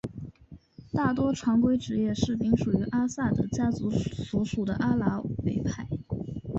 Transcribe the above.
大多常规职业士兵属于阿萨德家族所属的阿拉维派。